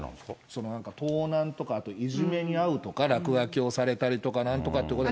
盗難とかいじめに遭うとか、落書きをされたりとかなんとかっていうことで。